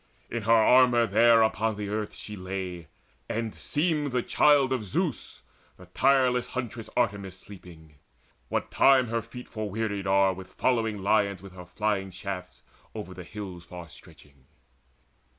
In her armour there Upon the earth she lay, and seemed the Child Of Zeus, the tireless Huntress Artemis Sleeping, what time her feet forwearied are With following lions with her flying shafts Over the hills far stretching.